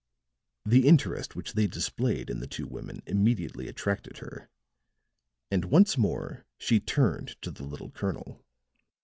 The interest which they displayed in the two women immediately attracted her; and once more she turned to the little colonel.